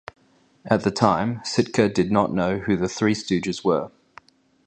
At the time, Sitka did not know who the Three Stooges were.